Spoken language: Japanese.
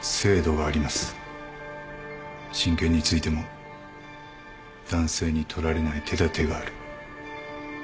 親権についても男性に取られない手だてがある。